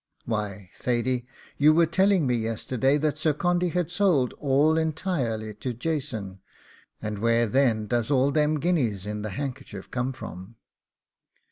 'Why, Thady, you were telling me yesterday that Sir Condy had sold all entirely to Jason, and where then does all them guineas in the handkerchief come from?